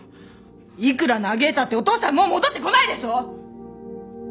いくら嘆いたってお父さんはもう戻ってこないでしょ！